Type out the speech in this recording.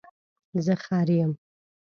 زه خر یم